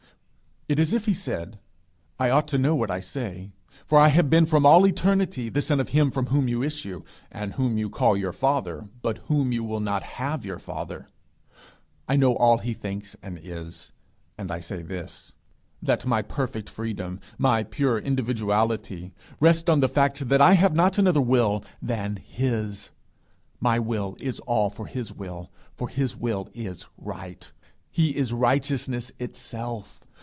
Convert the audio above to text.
It is as if he said: 'I ought to know what I say, for I have been from all eternity the son of him from whom you issue, and whom you call your father, but whom you will not have your father: I know all he thinks and is; and I say this, that my perfect freedom, my pure individuality, rests on the fact that I have not another will than his. My will is all for his will, for his will is right. He is righteousness itself.